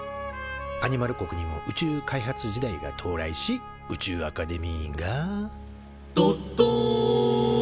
アニマル国にも宇宙開発時代が到来し宇宙アカデミーが「どっどん！」と誕生。